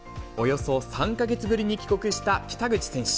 およそ３か月ぶりに帰国した北口選手。